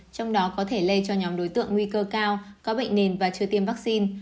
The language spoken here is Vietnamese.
trong đó có thể lây cho nhóm đối tượng nguy cơ cao có bệnh nền và chưa tiêm vaccine